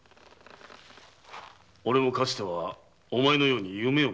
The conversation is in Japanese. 俺もかつてはお前のように夢を見た。